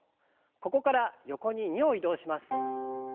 ここから横に２歩移動します。